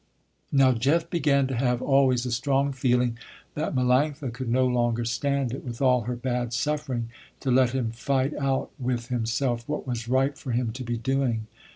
Now Jeff began to have always a strong feeling that Melanctha could no longer stand it, with all her bad suffering, to let him fight out with himself what was right for him to be doing.